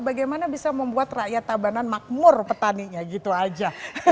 bagaimana bisa membuat rakyat tabanan makmur petaninya gitu aja